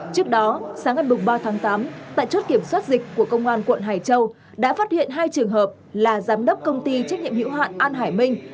trước đó sáng ngày ba tháng tám tại chốt kiểm soát dịch của công an quận hải châu đã phát hiện hai trường hợp là giám đốc công ty trách nhiệm hiệu hạn an hải minh